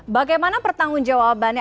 bagaimana pertanggung jawabannya